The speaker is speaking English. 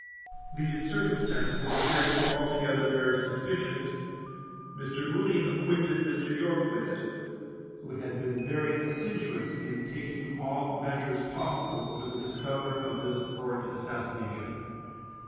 These circumstances appearing altogether very suspicious, Mr. Moody acquainted Mr. York with it, who had been very assiduous in taking all measures possible for the discover of this horrid assassination.